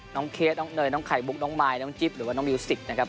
เคสน้องเนยน้องไข่มุกน้องมายน้องจิ๊บหรือว่าน้องมิวสิกนะครับ